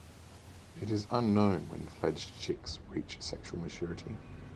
It is unknown when fledged chicks reach sexual maturity.